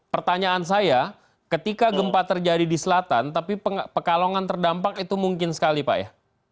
pertanyaan saya ketika gempa terjadi di selatan tapi pekalongan terdampak itu mungkin sekali pak ya